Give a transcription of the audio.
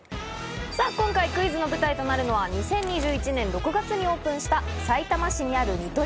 さぁ、今回クイズの舞台となるのは２０２１年６月にオープンした、さいたま市にあるニトリ